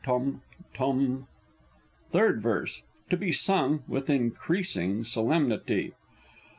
(Tum tum!) Third Verse. (_To be sung with increasing solemnity.